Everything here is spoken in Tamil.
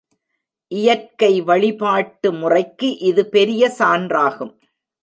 இயற்கை வழிபாட்டு முறைக்கு இது பெரிய சான்றாகும்.